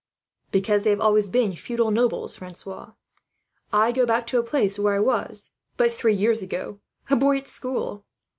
"Because they have always been feudal nobles, Francois. I go back to a place where I was, but three years ago, a boy at school.